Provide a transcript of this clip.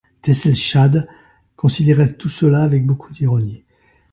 Tesselschade considérait tout cela avec beaucoup d'ironie.